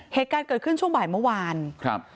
เหตุการณ์เกิดขึ้นช่วงบ่ายเมื่อวานครับ